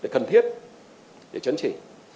cần thiết để chấn chỉ